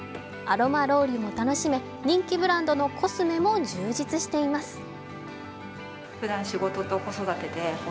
アロマロウリュも楽しめ人気ブランドのコスメも充実しています。